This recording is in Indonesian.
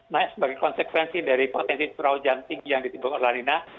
naik sebagai konsekuensi dari potensi curah hujan tinggi yang ditimbulkan oleh lanina